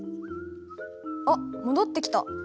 あっ戻ってきた。